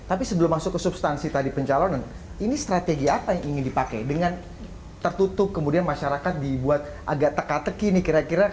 tapi sebelum masuk ke substansi tadi pencalonan ini strategi apa yang ingin dipakai dengan tertutup kemudian masyarakat dibuat agak teka teki nih kira kira